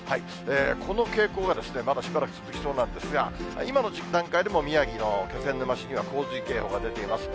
この傾向がまだしばらく続きそうなんですが、今の段階でも宮城の気仙沼市には洪水警報が出ています。